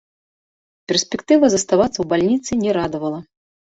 Перспектыва заставацца ў бальніцы не радавала.